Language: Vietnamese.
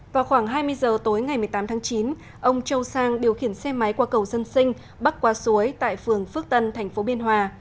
vào khoảng hai mươi giờ tối ngày một mươi tám tháng chín ông châu sang điều khiển xe máy qua cầu dân sinh bắc qua suối tại phường phước tân thành phố biên hòa